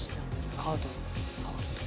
カードを触ると。